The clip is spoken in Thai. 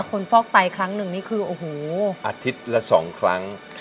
คนฟอกไตครั้งนึงนี่คืออาทิตย์ละ๒ครั้ง